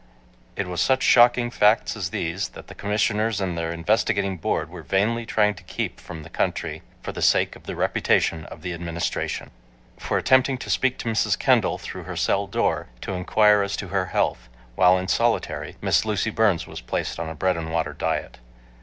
It was such shocking facts as these that the Commissioners and their investigating board were vainly trying to keep from the country for the sake of the reputation of the Administration. For attempting to spear to Mrs. Kendall through her cell door, to inquire as to her health, while in solitary, Miss Lucy Burns was placed on a bread and water diet.